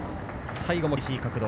最後も厳しい角度。